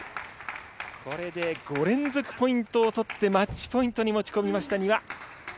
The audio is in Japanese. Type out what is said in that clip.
これで５連続ポイントを取ってマッチポイントに持ち込みました丹羽。